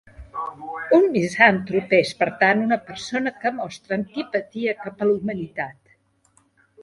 Un misantrop és, per tant, una persona que mostra antipatia cap a la humanitat.